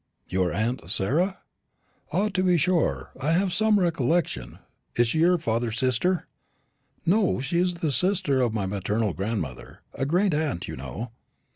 "Your aunt Sarah? Ah, to be sure; I have some recollection: is she your father's sister?" "No; she's the sister of my maternal grandmother a great aunt, you know.